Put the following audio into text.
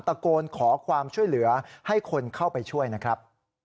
ตะโกนขอความช่วยเหลือให้คนเข้าไปช่วยนะครับ